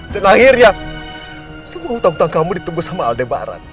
dan akhirnya semua utang utang kamu ditembus sama aldebaran